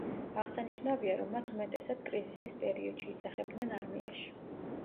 აღსანიშნავია, რომ მათ უმეტესად კრიზისის პერიოდში იძახებდნენ არმიაში.